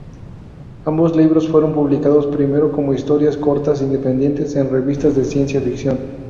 Ambos libros fueron publicados primero como historias cortas independientes en revistas de ciencia ficción.